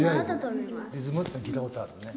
リズムっていうのは聞いたことあるよね。